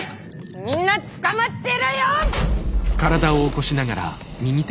みんなつかまってろよ！